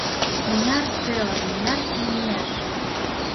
Мыняр теле, мыняр кеҥеж!